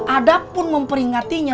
ada pun memperingatinya